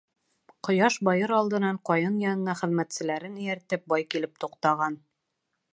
Ҡояш байыр алдынан ҡайын янына, хеҙмәтселәрен эйәртеп, бай килеп туҡтаған.